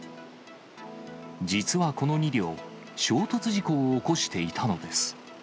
実はこの２両、衝突事故を起こしていたのです。